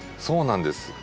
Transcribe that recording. そうなんです。